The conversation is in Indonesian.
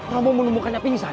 romo menemukannya pingsan